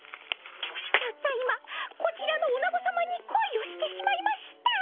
たった今こちらのおなごさまにこいをしてしまいました。